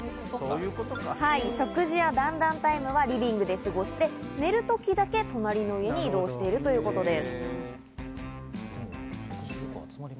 食事や団らんタイムはリビングで過ごして、寝る時だけ隣の家に移動しているということです。